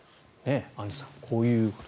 アンジュさん、こういう。